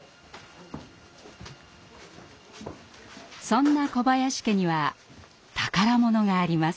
そんな小林家には宝物があります。